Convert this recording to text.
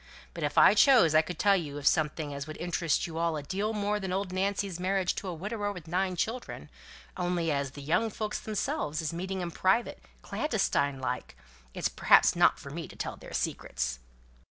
But if I chose, I could tell you of something as would interest you all a deal more than old Nancy's marriage to a widower with nine children only as the young folks themselves is meeting in private, clandestine like, it's perhaps not for me to tell their secrets."